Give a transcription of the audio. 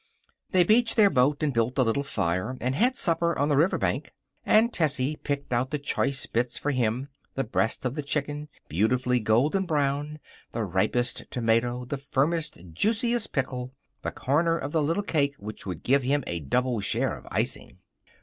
They beached their boat, and built a little fire, and had supper on the riverbank, and Tessie picked out the choice bits for him the breast of the chicken, beautifully golden brown; the ripest tomato; the firmest, juiciest pickle; the corner of the little cake which would give him a double share of icing.